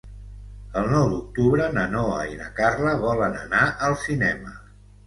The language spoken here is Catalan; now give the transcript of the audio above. El nou d'octubre na Noa i na Carla volen anar al cinema.